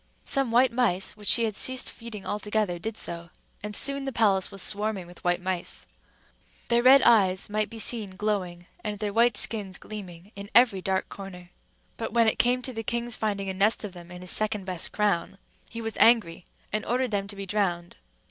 Some white mice, which she had ceased feeding altogether, did so; and soon the palace was swarming with white mice. Their red eyes might be seen glowing, and their white skins gleaming, in every dark corner; but when it came to the king's finding a nest of them in his second best crown, he was angry and ordered them to be drowned.